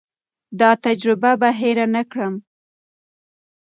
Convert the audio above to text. دا تجربه به هېر نه کړم.